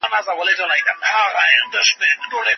د ښوونځیو د مدیرانو ترمنځ د همږغۍ غونډې کله جوړیږي؟